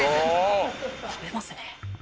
「食べますね」